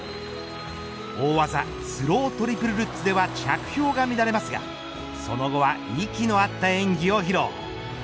大技、スロートリプルルッツでは着氷が乱れますがその後は息の合った演技を披露。